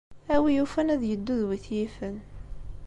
A wi yufan, ad yeddu d wi t-yifen.